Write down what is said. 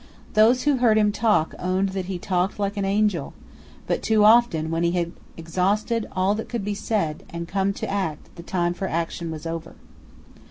Those who heard him talk owned that he talked like an angel: but too often, when he had exhausted all that could be said, and came to act, the time for action was over.